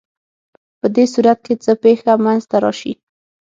په دې صورت کې څه پېښه منځ ته راشي؟